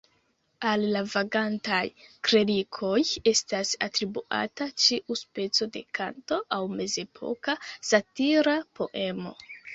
Al la "vagantaj klerikoj" estas atribuata ĉiu speco de kanto aŭ mezepoka satira poemo.